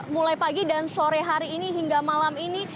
mulai pagi dan sore hari ini hingga malam ini